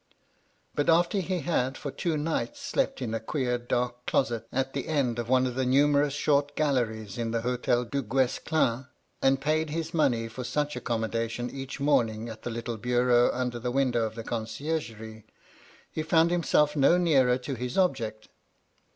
But after he had for two nights slept in a queer, dark closet, at the end of one of the numerous short galleries in the Hdtel Duguesclin, and paid his money for such accommoda tion each morning at the little bureau under the window of the concifergerie, he found himself no nearer to his object.